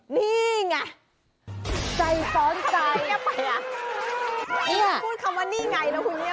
นี่ไงนี่ไง